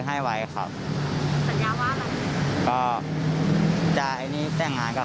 คนก็แบบแกงเปล่าแกงเปล่า